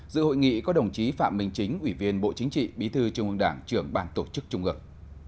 dự hội nghị có đồng chí phạm minh chính ủy viên bộ chính trị bí thư trung ương đảng trưởng ban tổ chức trung ương